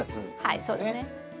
はいそうですね。